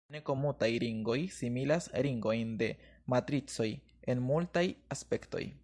Ne-komutaj ringoj similas ringojn de matricoj en multaj aspektoj.